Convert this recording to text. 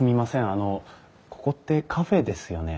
あのここってカフェですよね？